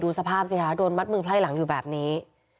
สภาพสิคะโดนมัดมือไพร่หลังอยู่แบบนี้